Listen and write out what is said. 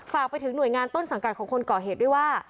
ฝากไปถึงหน่วยงานต้นสังกัดของคนก่อเหตุด้วยว่า